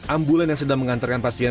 ambulan yang sedang mengantarkan pasien